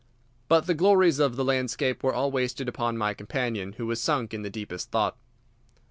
But the glories of the landscape were all wasted upon my companion, who was sunk in the deepest thought.